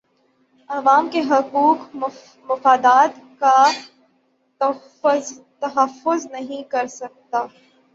عوام کے حقوق اور مفادات کا تحفظ نہیں کر سکتا